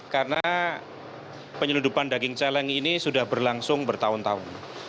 karena penyeludupan daging celeng ini sudah berlangsung bertahun tahun